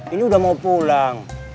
ini udah mau pulang